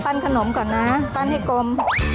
ขนมก่อนนะปั้นให้กลม